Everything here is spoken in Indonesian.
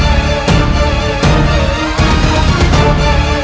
apa yang dilakukan